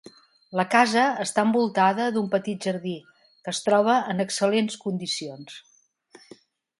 La casa està envoltada d'un petit jardí que es troba en excel·lents condicions.